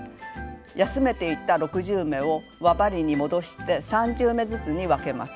休めていた６０目を輪針に戻して３０目ずつに分けます。